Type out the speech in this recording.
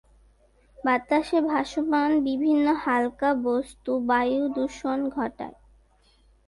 বাতাসে ভাসমান বিভিন্ন হাল্কা বস্তু বায়ুদূষণ ঘটায়।